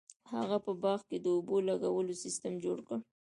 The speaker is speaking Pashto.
هغه په باغ کې د اوبو لګولو سیستم جوړ کړ.